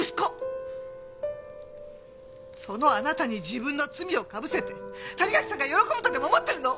そのあなたに自分の罪をかぶせて谷垣さんが喜ぶとでも思ってるの？